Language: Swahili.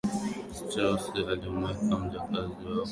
strauss alimweka mjakazi wao kwenye mashua